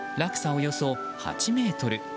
およそ８ｍ。